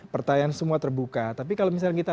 pertanyaan semua terbuka tapi kalau misalnya kita